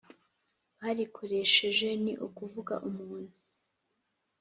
barikoresheje ni ukuvuga umuntu